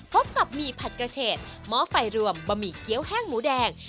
พบกับหมี่ผัดกระเฉดหม้อไฟรวมบะหมี่เกี้ยวแห้งหมูแดง